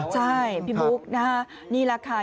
ใช่พี่บุ๊คนะฮะนี่แหละค่ะ